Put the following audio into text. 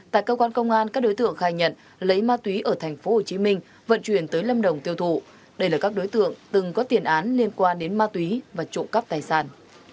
tại cơ quan công an các đối tượng khai nhận lấy ma túy ở tp hcm vận chuyển tới lâm đồng tiêu thụ đây là các đối tượng từng có tiền án liên quan đến ma túy và trộm cắp tài sản